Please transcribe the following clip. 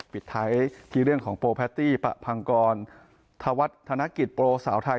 ปิดท้ายที่เรื่องของโปรแพตตี้ปะพังกรธวัฒนกิจโปรสาวไทย